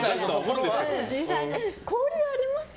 交流ありますか？